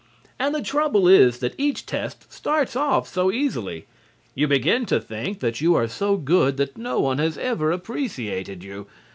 And the trouble is that each test starts off so easily. You begin to think that you are so good that no one has ever appreciated you.